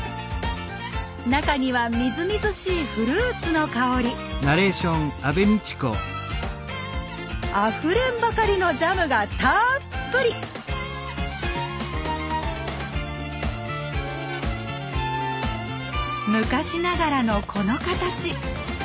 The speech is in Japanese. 中にはみずみずしいフルーツの香りあふれんばかりのジャムがたっぷり昔ながらのこの形。